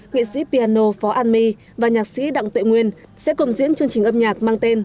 nghị sĩ piano phó an my và nhạc sĩ đặng tuệ nguyên sẽ cùng diễn chương trình âm nhạc mang tên